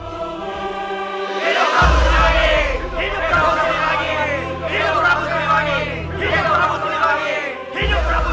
hidup rambut semangat